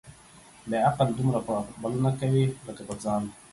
بې عقل دومره په بل نه کوي ، لکه په ځان.